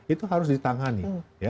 itu harus ditangani